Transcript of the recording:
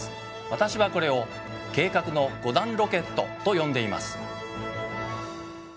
わたしはこれを「計画の５段ロケット」と呼んでいます。